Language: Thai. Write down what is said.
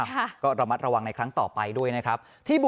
ก็ระมัดระวังในครั้งต่อไปด้วยนะครับ